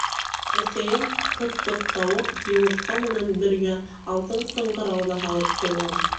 Әсәйем, Ҡыт-ҡыт тауыҡ, йомортҡа менән бергә алтын ҡыңғырау ҙа һалып ҡуйған.